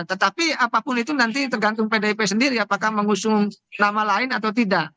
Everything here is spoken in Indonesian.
tetapi apapun itu nanti tergantung pdip sendiri apakah mengusung nama lain atau tidak